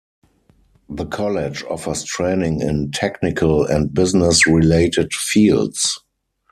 The college offers training in technical and business-related fields.